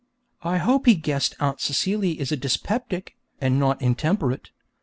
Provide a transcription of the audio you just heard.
(I hope he guessed Aunt Celia is a dyspeptic, and not intemperate!)